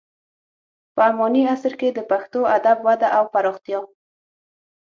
په اماني عصر کې د پښتو ادب وده او پراختیا: